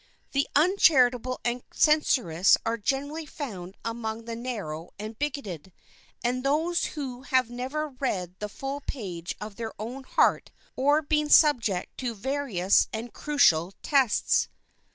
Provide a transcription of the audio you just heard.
The uncharitable and censorious are generally found among the narrow and bigoted, and those who have never read the full page of their own heart or been subject to various and crucial tests.